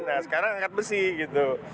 nah sekarang angkat besi gitu